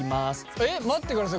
え待ってください